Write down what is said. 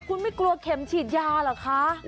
คุณไม่กลัวเข็มฉีดยาเหรอคะ